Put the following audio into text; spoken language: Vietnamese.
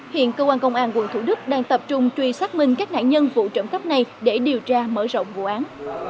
hiện cơ quan công an quận thủ đức đang tập trung truy xác minh các nạn nhân vụ trộm cắp này để điều tra mở rộng vụ án